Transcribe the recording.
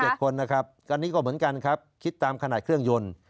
คนนะครับอันนี้ก็เหมือนกันครับคิดตามขนาดเครื่องยนต์